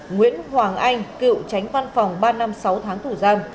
nguyễn hoàng anh cựu tránh văn phòng ba năm sáu tháng tù giam